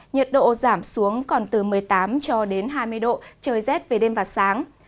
nhiệt độ giảm xuống còn từ một mươi tám cho đến hai mươi độ trời rét về đêm và sáng